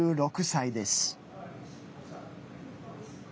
８６歳です。